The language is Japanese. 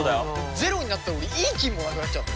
ゼロになったら俺いい菌もなくなっちゃうんだよ。